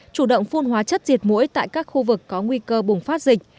chủ động phun hóa chất diệt mũi tại các khu vực có nguy cơ bùng phát dịch